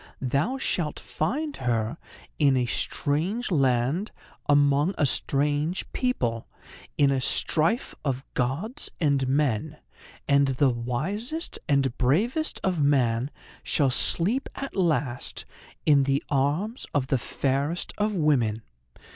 Thou shalt find her in a strange land, among a strange people, in a strife of gods and men; and the wisest and bravest of man shall sleep at last in the arms of the fairest of women.